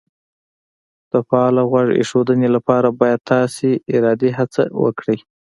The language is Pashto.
د فعالې غوږ ایښودنې لپاره باید تاسې ارادي هڅه وکړئ